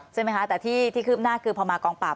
ใช่ไหมคะแต่ที่คืบหน้าคือพอมากองปราบ